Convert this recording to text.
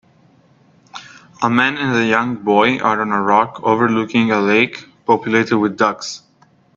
A man and a young boy are on a rock overlooking a lake populated with ducks